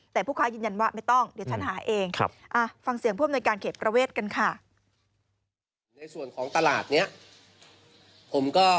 แต่ผู้ค้ายืนยันว่าไม่ต้องเดี๋ยวฉันหาเอง